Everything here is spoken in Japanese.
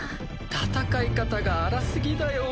戦い方が荒すぎだよ。